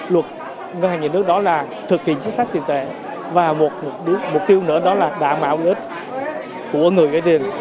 luật ngân hàng nhà nước đó là thực hiện chính sách tiền tệ và một mục tiêu nữa đó là đảm bảo lợi ích của người vay tiền